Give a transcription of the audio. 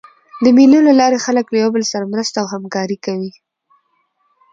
د مېلو له لاري خلک له یو بل سره مرسته او همکاري کوي.